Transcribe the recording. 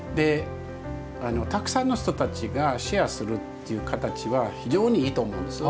たくさんの人たちがシェアするという形は非常にいいと思うんです。